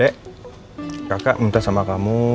dek kak kak minta sama kamu